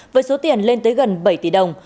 với số tiền lên tới gần bảy tỷ đồng